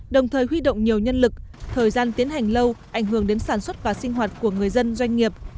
đồng thời huy động nhiều nhân lực thời gian tiến hành lâu ảnh hưởng đến sản xuất và sinh hoạt của người dân doanh nghiệp